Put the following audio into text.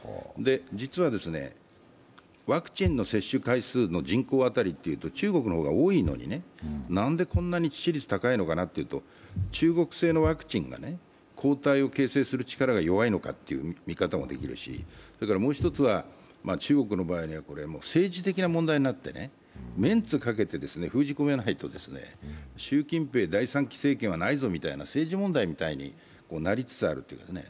実はワクチンの接種回数の人口当たりというと中国の方が多いのに、なんでこんなに致死率が高いのかなと思うと、中国製のワクチンが抗体を形成する力が弱いのかという見方もできるしもう一つは、中国の場合には政治的な問題になって、面子をかけて封じ込めないと、習近平第３期政権はないみたいな政治問題みたいになりつつあるというね。